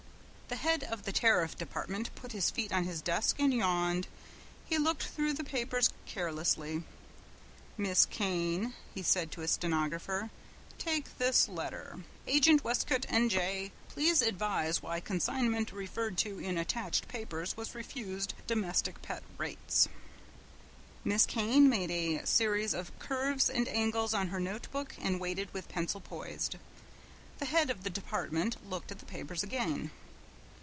The head of the Tariff Department put his feet on his desk and yawned. He looked through the papers carelessly. "Miss Kane," he said to his stenographer, "take this letter. 'Agent, Westcote, N. J. Please advise why consignment referred to in attached papers was refused domestic pet rates."' Miss Kane made a series of curves and angles on her note book and waited with pencil poised. The head of the department looked at the papers again.